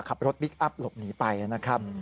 ขับรถพลิกอัพหลบหนีไปนะครับ